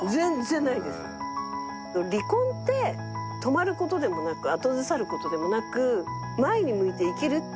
離婚って止まる事でもなく後ずさる事でもなく。